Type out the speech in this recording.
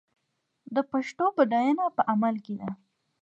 د پښتو بډاینه په عمل کې ده.